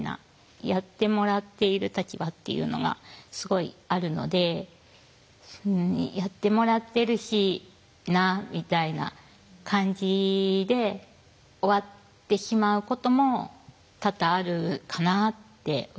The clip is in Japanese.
やってもらっている立場っていうのがすごいあるのでやってもらってるしなみたいな感じで終わってしまうことも多々あるかなっては考えますね。